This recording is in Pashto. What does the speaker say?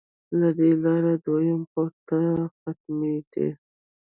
له دې لارې دویم پوړ ته ختمېدې.